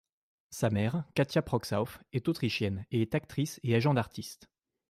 Sa mère, Katja Proxauf, est autrichienne et est actrice et agent d'artiste.